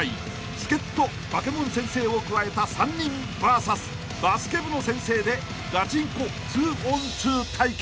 ［助っ人バケモン先生を加えた３人ＶＳバスケ部の先生でガチンコ２ｏｎ２対決］